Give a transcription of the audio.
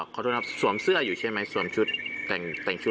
ขอโทษครับสวมเสื้ออยู่ใช่ไหมสวมชุดแต่งชุด